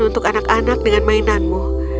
untuk anak anak dengan mainanmu